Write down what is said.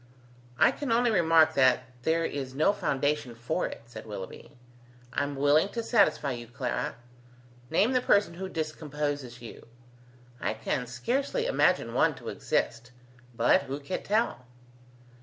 "I can only remark that there is no foundation for it," said Willoughby. "I am willing to satisfy you, Clara. Name the person who discomposes you. I can scarcely imagine one to exist: but who can tell?"